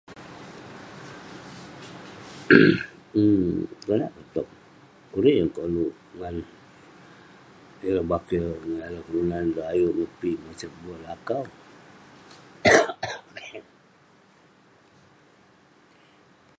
emk..konak peh towk, kurik yeng koluk, ngan ireh bakeh ngan ireh kelunan ulouk ayuk ngupi mosep berk lakau